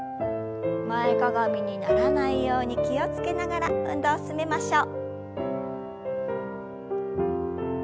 前かがみにならないように気を付けながら運動を進めましょう。